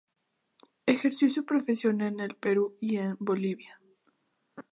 Ejerció su profesión en el Perú y en Bolivia.